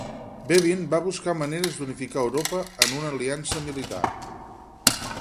Bevin va buscar maneres d'unificar Europa en una aliança militar.